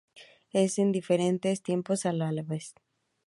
En diferentes tiempos o a la vez.